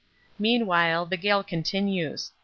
Meanwhile the gale continues.